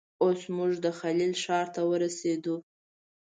اوس موږ د الخلیل ښار ته ورسېدو.